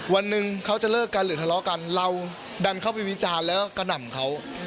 วันหนึ่งเขาจะเลิกกันหรือทะเลาะกันเราดันเข้าไปวิจารณ์แล้วกระหน่ำเขา